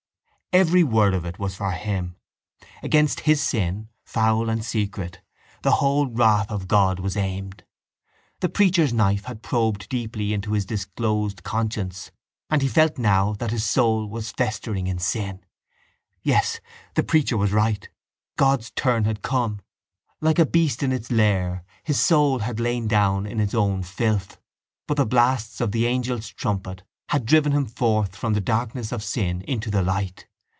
Every word of it was for him. Against his sin, foul and secret, the whole wrath of God was aimed. The preacher's knife had probed deeply into his disclosed conscience and he felt now that his soul was festering in sin. Yes, the preacher was right. God's turn had come. Like a beast in its lair his soul had lain down in its own filth but the blasts of the angel's trumpet had driven him forth from the darkness of sin into the light.